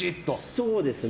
そうですね。